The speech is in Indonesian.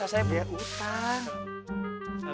saya biarkan utang